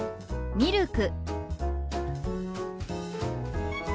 「ミルク」。